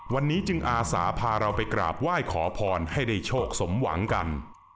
วันนี้จึงอาสาพาเราไปกราบไหว้ขอพรให้ได้โชคสมหวังกัน